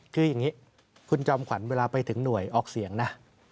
คืออย่างนี้คุณจอมขวัญเวลาไปถึงหน่วยออกเสียงนะ